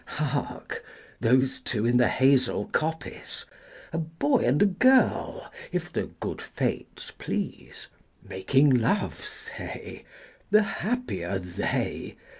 Hark, those two in the hazel coppice 5 A boy and a girl, if the good fates please, Making love, say The happier they!